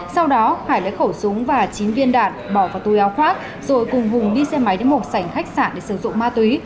sau đó hải lấy khẩu súng và chín viên đạn bỏ vào túi áo khoác rồi cùng hùng đi xe máy đến một sảnh khách sạn để sử dụng ma túy